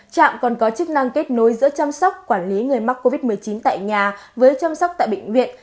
trạm còn có chức năng kết nối giữa chăm sóc quản lý người mắc covid một mươi chín tại nhà với chăm sóc tại bệnh viện